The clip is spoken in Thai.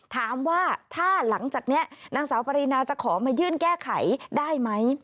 ถามว่าถ้าหลังจากนี้นางสาวปรินาจะขอมายื่นแก้ไขได้ไหม